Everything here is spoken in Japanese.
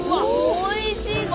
おいしそう！